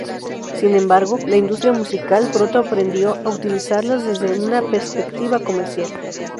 Sin embargo, la industria musical pronto aprendió a utilizarlas desde una perspectiva comercial.